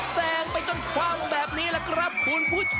แซงไปจนคว่ำแบบนี้แหละครับคุณผู้ชม